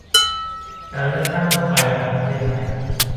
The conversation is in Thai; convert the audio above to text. การเลือกตั้งทั่วไปของประเทศไทย